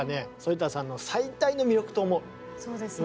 そうですね。